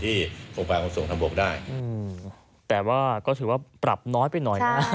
โทษค่อนข้างเบายึดแค่๓๐วัน